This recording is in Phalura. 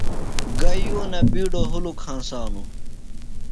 گہ یونہ بِیڈوۡ ہُلُک ہنسانوۡ؟